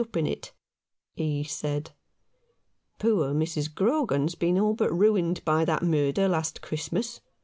up in it," he said. " Poor Mrs. Grogan has been all but ruined by that murder last Christmas.